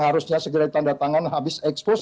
harusnya segera ditandatangani habis ekspos